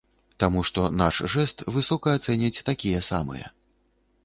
Таму што наш жэст высока ацэняць такія самыя.